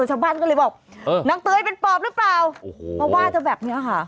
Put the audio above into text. ชาวบ้านก็เลยบอกเออนางเตยเป็นปอบหรือเปล่าโอ้โหมาว่าเธอแบบเนี้ยค่ะ